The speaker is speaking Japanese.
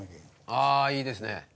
ああいいですね。